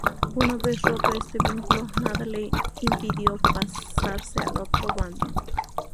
Una vez roto este vínculo, nada le impidió pasarse al otro bando.